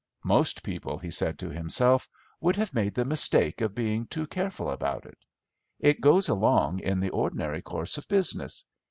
"Most people," he said to himself, "would have made the mistake of being too careful about it. It goes along in the ordinary course of business.